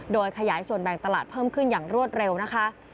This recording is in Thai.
โดยขยายส่วนแบ่งตลาดเพิ่มขึ้นอย่างรวดเร็วนะคะ